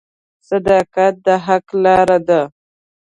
• صداقت د حق لاره ده.